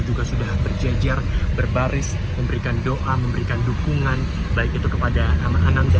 juga sudah berjejer berbaris memberikan doa memberikan dukungan baik itu kepada nama ananda